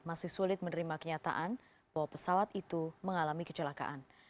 masih sulit menerima kenyataan bahwa pesawat itu mengalami kecelakaan